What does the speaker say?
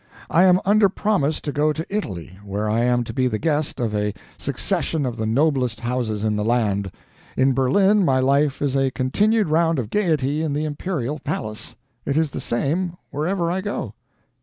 I am under promise to go to Italy, where I am to be the guest of a succession of the noblest houses in the land. In Berlin my life is a continued round of gaiety in the imperial palace. It is the same, wherever I go.